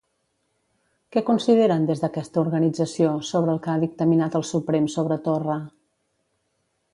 Què consideren des d'aquesta organització sobre el que ha dictaminat el Suprem sobre Torra?